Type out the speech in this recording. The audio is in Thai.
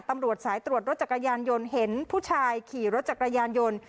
ตำรวจสายตรวจรถจักรยานยนต์เห็นผู้ชายขี่รถจักรยานยนต์